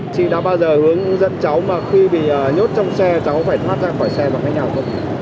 chị đã bao giờ hướng dẫn cháu mà khi bị nhốt trong xe cháu phải thoát ra khỏi xe bằng cái nhà không